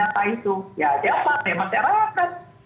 ya dapat ya masyarakat